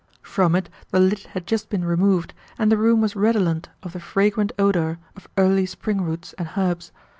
From it the lid had just been removed, and the room was redolent of the fragrant odour of early spring roots and herbs.